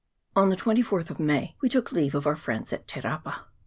On the 25th of May we took leave of our friends at Te rapa.